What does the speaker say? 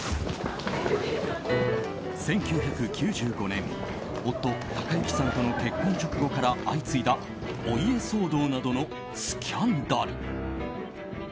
１９９５年夫・誉幸さんとの結婚直後から相次いだお家騒動などのスキャンダル。